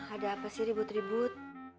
ada apa sih ribut ribut